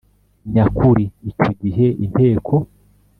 nyakuri icyo gihe inteko